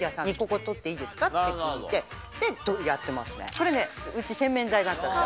これねうち洗面台だったんです。